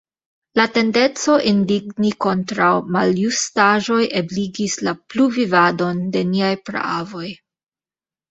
La tendenco indigni kontraŭ maljustaĵoj ebligis la pluvivadon de niaj praavoj.